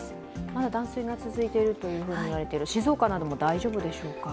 まだ断水が続いているといわれている静岡は大丈夫でしょうか？